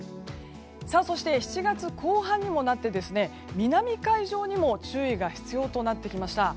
そして、７月後半にもなって南海上にも注意が必要となってきました。